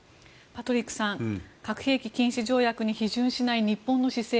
パトリックさん核兵器禁止条約に批准しない日本の姿勢